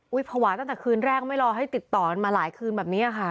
ภาวะตั้งแต่คืนแรกไม่รอให้ติดต่อกันมาหลายคืนแบบนี้ค่ะ